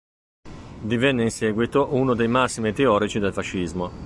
Divenne in seguito uno dei massimi teorici del fascismo.